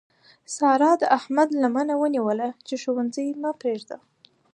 سارا د احمد لمنه ونیوله چې ښوونځی مه پرېږده.